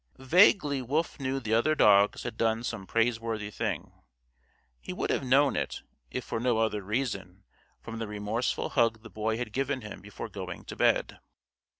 Vaguely Wolf knew the other dogs had done some praiseworthy thing. He would have known it, if for no other reason, from the remorseful hug the Boy had given him before going to bed.